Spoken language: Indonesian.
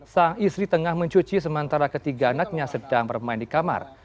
sang istri tengah mencuci sementara ketiga anaknya sedang bermain di kamar